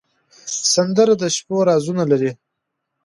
سندره د شپو رازونه لري